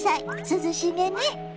涼しげね。